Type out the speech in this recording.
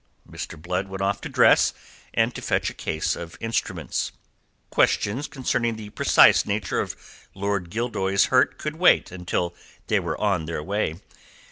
Mr. Blood went off to dress and to fetch a case of instruments. Questions concerning the precise nature of Lord Gildoy's hurt could wait until they were on their way.